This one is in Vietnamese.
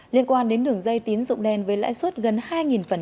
liên quan đến đường dây tín rụng đen với lãi suất gần hai phần